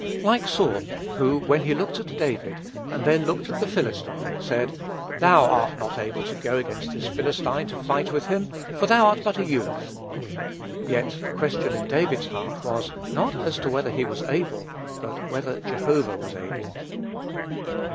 Like Saul, who, when he looked at David, and then looked at the Philistine, said, "Thou art not able to go against this Philistine to fight with him; for thou art but a youth." Yet the question in David's heart was, not as to whether he was able, but whether Jehovah was able.